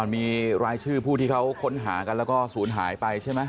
มีรายชื่อผู้ที่เขาค้นหากันแล้วก็ศูนย์หายไปใช่ไหม